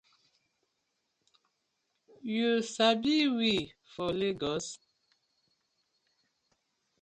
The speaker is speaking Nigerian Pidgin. Yu sabi we for Legos?